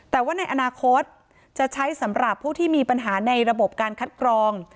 แต่ว่าในอนาคตจะใช้สำหรับผู้ที่มีปัญหาในระบบการคัดกรอง